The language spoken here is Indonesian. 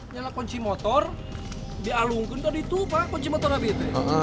nyalah kunci motor dialungkan tadi tuh pak kunci motor habis